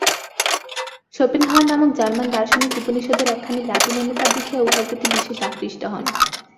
Schopenhauer নামক German দার্শনিক উপনিষদের একখানি লাটিন অনুবাদ দেখিয়া উহার প্রতি বিশেষ আকৃষ্ট হন।